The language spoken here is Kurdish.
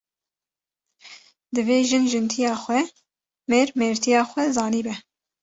Divê jin jintiya xwe, mêr mêrtiya xwe zanî be